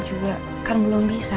juga kan belum bisa